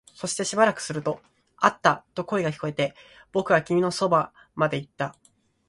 そしてしばらくすると、あったと声が聞こえて、僕は君のそばまで行った